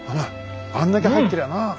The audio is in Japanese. あんだけ入ってりゃなあ。